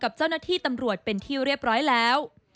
กับเจ้าหน้าที่ตำรวจเป็นที่เรียบร้อยแล้ว